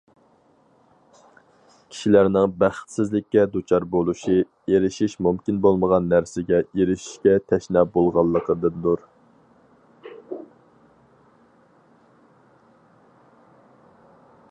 كىشىلەرنىڭ بەختسىزلىككە دۇچار بولۇشى، ئېرىشىش مۇمكىن بولمىغان نەرسىگە ئېرىشىشكە تەشنا بولغانلىقىدىندۇر.